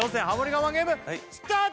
我慢ゲームスタート！